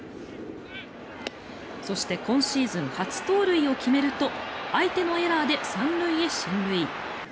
そして、今シーズン初盗塁を決めると相手のエラーで３塁へ進塁。